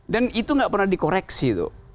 dan itu gak pernah dikoreksi